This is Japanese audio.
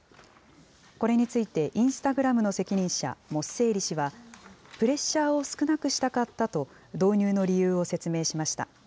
これについて、インスタグラムの責任者、モッセーリ氏は、プレッシャーを少なくしたかったと導入の理由を説明しました。